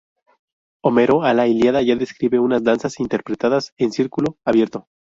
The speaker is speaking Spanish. Homero a la Ilíada ya describe unas danzas interpretadas en círculo abierto.